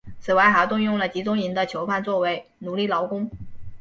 此外还动用了集中营的囚犯作为奴隶劳工。